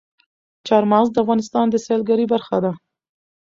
چار مغز د افغانستان د سیلګرۍ برخه ده.